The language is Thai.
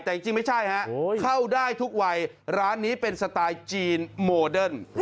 แต่จริงไม่ใช่ฮะเข้าได้ทุกวัยร้านนี้เป็นสไตล์จีนโมเดิร์น